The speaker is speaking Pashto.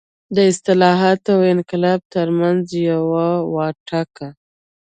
د اصلاحاتو او انقلاب ترمنځ یو وټاکه.